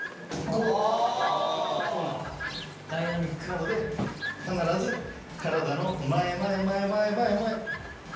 なので必ず体の前前前前前前。